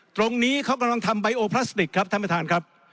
ตรงนี้เขากำลังทำไบโอพลาสติกครับท่านประธานครับ